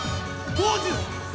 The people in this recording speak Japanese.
ポーズ！